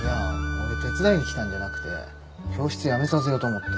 俺手伝いに来たんじゃなくて教室やめさせようと思って。